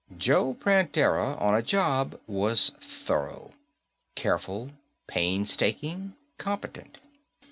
Joe Prantera on a job was thorough. Careful, painstaking, competent.